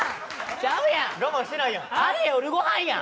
ちゃうやん！